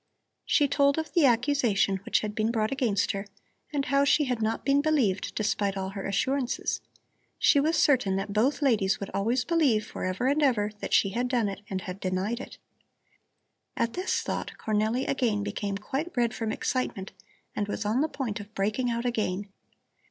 She told of the accusation which had been brought against her, and how she had not been believed despite all her assurances. She was certain that both ladies would always believe for ever and ever that she had done it and had denied it. At this thought Cornelli again became quite red from excitement and was on the point of breaking out again.